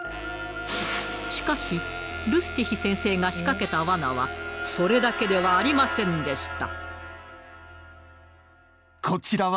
しかしルスティヒ先生が仕掛けた罠はそれだけではありませんでした。